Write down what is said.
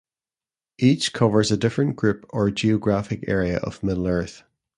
Each covers a different group or geographic area of Middle-earth.